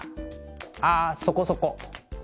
あそこそこ。